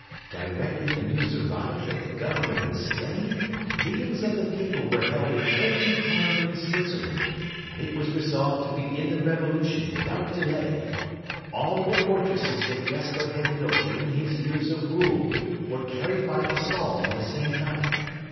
Directly the news arrived that the Governor was slain, meetings of the people were held in every town in Switzerland, and it was resolved to begin the revolution without delay. All the fortresses that Gessler had built during his years of rule were carried by assault on the same night.